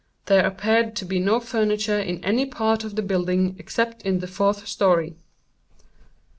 There appeared to be no furniture in any part of the building except in the fourth story.